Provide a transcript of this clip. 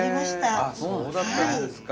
あそうだったんですか。